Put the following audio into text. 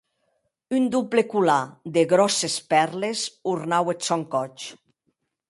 Un doble colar de gròsses pèrles ornaue eth sòn còth.